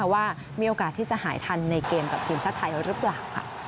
ว่ามีโอกาสที่จะหายทันในเกมกับทีมชาติไทยหรือเปล่า